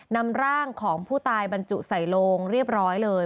นำร่างของผู้ตายบรรจุใส่โลงเรียบร้อยเลย